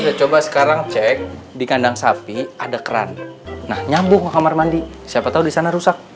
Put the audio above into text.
ya coba sekarang cek di kandang sapi ada keran nah nyambung ke kamar mandi siapa tahu di sana rusak